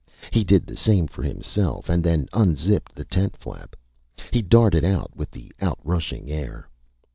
He did the same for himself, and then unzipped the tent flap. He darted out with the outrushing air.